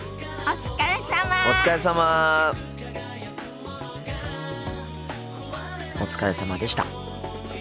お疲れさまでした。